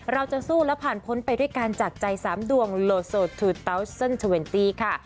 เราจะสู้และผ่านพ้นไปด้วยกันจากใจสามดวงโลโซ๒๐๒๐ค่ะ